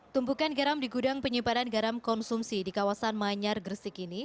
tumpukan garam di gudang penyimpanan garam konsumsi di kawasan manyar gresik ini